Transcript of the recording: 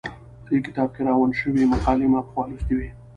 په دې کتاب کې راغونډې شوې مقالې ما پخوا لوستې وې.